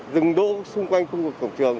rừng đỗ xung quanh khu vực cổng trường